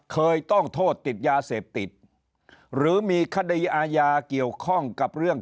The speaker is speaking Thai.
เคยต้องโทษติดยาเสพติดหรือมีคดีอาญาเกี่ยวข้องกับเรื่อง